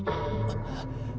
あっ。